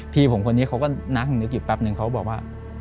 พี่ผมคนนี้เขาก็นั่งนึกอยู่แป๊บนึงเขาบอกว่า